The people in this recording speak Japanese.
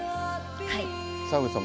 はい。